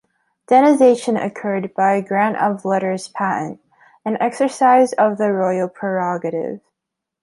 Denization occurred by a grant of letters patent, an exercise of the royal prerogative.